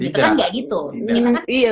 tidak kita kan nggak gitu